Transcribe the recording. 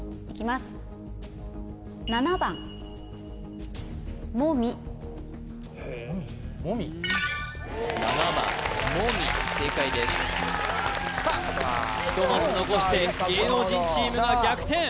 １マス残して芸能人チームが逆転